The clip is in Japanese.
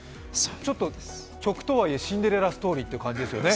ちょっと曲とはいえシンデレラストーリーという感じですね。